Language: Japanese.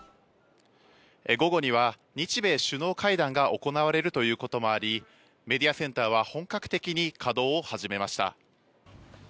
午後には日米首脳会談が行われるということもありメディアセンターは本格的に稼働を始めました。